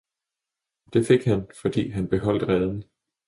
det fik han fordi han beholdt reden.